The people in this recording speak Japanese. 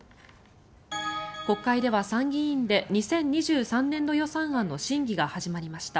国会では参議院で２０２３年度予算案の審議が始まりました。